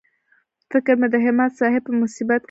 فکر مې د همت صاحب په مصیبت کې بند و.